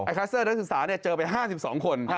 คัสเตอร์นักศึกษาเจอไป๕๒คน